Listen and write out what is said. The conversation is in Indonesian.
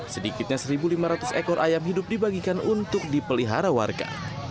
sedikitnya satu lima ratus ekor ayam hidup dibagikan untuk dipelihara warga